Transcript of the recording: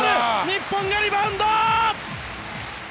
日本がリバウンド！